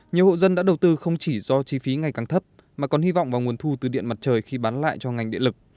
nhiều hộ dân đã đầu tư không chỉ do chi phí ngày càng thấp mà còn hy vọng vào nguồn thu từ điện mặt trời khi bán lại cho ngành điện lực